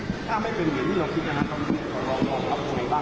ถ้าไม่เป็นอย่างนี้เราคิดนะครับต้องรอฟังครับคุณบ้าง